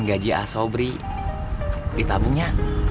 gaji asobri ditabungnya